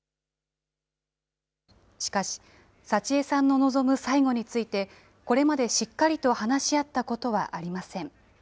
しかし、佐千江さんの望む最期について、これまでしっかりと話し合ったことはありません。